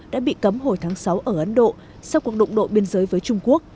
đã bị cấm hồi tháng sáu ở ấn độ sau cuộc đụng độ biên giới với trung quốc